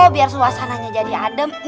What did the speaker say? biar suasananya jadi adem